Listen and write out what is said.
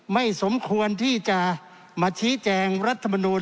ไม่สมควรที่จะมาชี้แจงรัฐมนูล